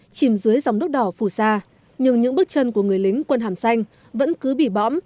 chìm dưới dòng đất đỏ phủ xa nhưng những bước chân của người lính quân hàm xanh vẫn cứ bị bõm